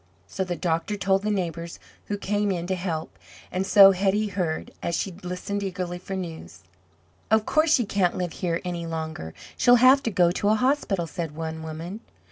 So the doctor told the neighbours who came in to help, and so Hetty heard, as she listened eagerly for news. "Of course she can't live here any longer; she'll have to go to a hospital," said one woman.